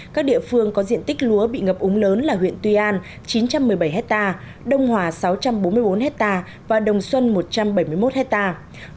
các địa phương có diện tích lúa bị ngập úng lớn là huyện tuy an chín trăm một mươi bảy hectare đông hòa sáu trăm bốn mươi bốn hectare và đồng xuân một trăm bảy mươi một hectare